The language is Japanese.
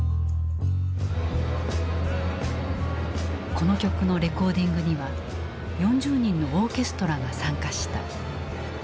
この曲のレコーディングには４０人のオーケストラが参加した。